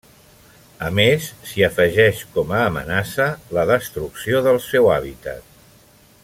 A més, s'hi afegeix com a amenaça, la destrucció del seu hàbitat.